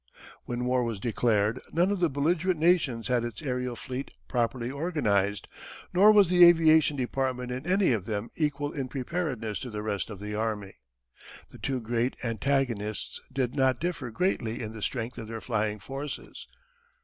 ] When war was declared none of the belligerent nations had its aërial fleet properly organized, nor was the aviation department in any of them equal in preparedness to the rest of the army. The two great antagonists did not differ greatly in the strength of their flying forces.